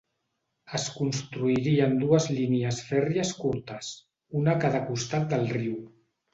Es construirien dues línies fèrries curtes, una a cada costat del riu.